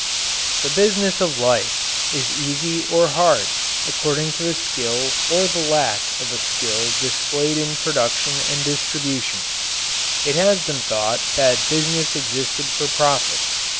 The business of life is easy or hard according to the skill or the lack of skill displayed in production and distribution. It has been thought that business existed for profit.